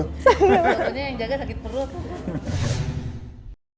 pokoknya yang jaga sakit perut